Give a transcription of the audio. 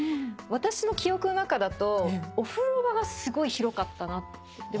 私の記憶の中だとお風呂場がすごい広かったな。